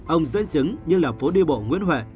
ông dẫn chứng như là phố đi bộ nguyễn huệ